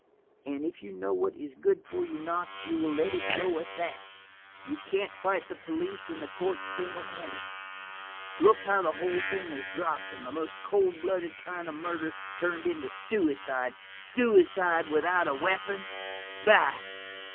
And if you know what is good for you, Knox, you will let it go at that. You can't fight the police and the courts single handed. Look how the whole thing was dropped, and the most cold blooded kind of murder turned into suicide. Suicide without a weapon! Bah!"